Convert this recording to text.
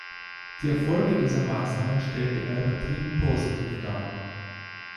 Die Erfolge dieser Maßnahmen stellte er übertrieben positiv dar.